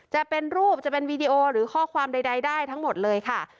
จะเป็นรูปจะเป็นวีดีโอหรือข้อความใดได้ทั้งหมดเลยค่ะ